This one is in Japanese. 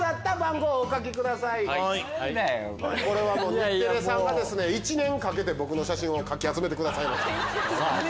日テレさんが１年かけて写真をかき集めてくださいました。